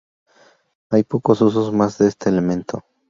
Hay pocos usos más de este elemento.